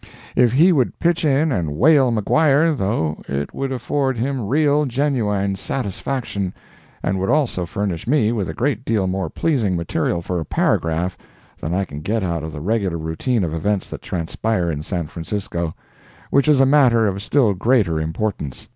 If he would pitch in and whale Maguire, though, it would afford him real, genuine satisfaction, and would also furnish me with a great deal more pleasing material for a paragraph than I can get out of the regular routine of events that transpire in San Francisco—which is a matter of still greater importance.